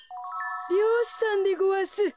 りようしさんでごわす。